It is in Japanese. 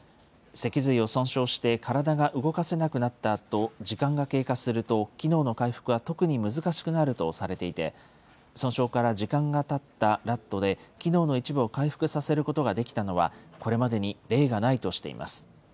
脊髄を損傷して体が動かせなくなったあと、時間が経過すると、機能の回復は特に難しくなるとされていて、損傷から時間がたったラットで機能の一部を回復させることができたのは、これまでに例がないとしています。